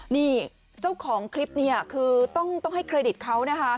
นี่เจ้าของคลิปเนี่ยคือต้องให้เครดิตเขานะคะ